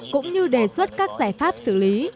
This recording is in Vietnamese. cũng như đề xuất các giải pháp xử lý